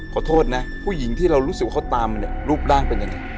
ขอโทษนะผู้หญิงที่เรารู้สึกว่าเขาตามมาเนี่ยรูปร่างเป็นยังไง